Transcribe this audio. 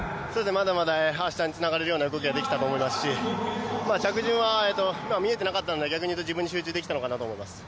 まだまだ明日につながれるような動きができたと思いますし着順は見えてなかったので逆に言うと自分に集中できたのかなと思います。